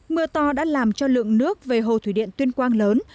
mưa to đã làm cho lượng nước về hồ thủy điện tuyên quang lớn